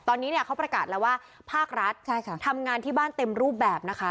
ตอนนี้เนี่ยเขาประกาศแล้วว่าภาครัฐทำงานที่บ้านเต็มรูปแบบนะคะ